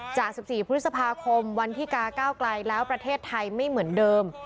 จาก๑๔พฤษภาคมวันที่กาก้าวไกลแล้วประเทศไทยไม่เหมือนเดิม